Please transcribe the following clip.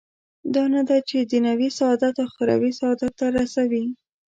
دا نه ده چې دنیوي سعادت اخروي سعادت ته رسوي.